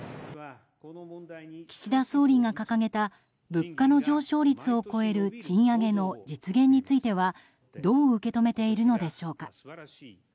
岸田総理が掲げた物価の上昇率を超える賃上げの実現についてはどう受け止めているのでしょうか。